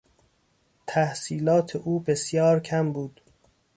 تحصیلات او بسیار کم بود.